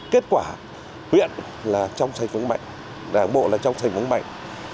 kết quả huyện là trong thành phương mạnh đảng bộ là trong thành phương mạnh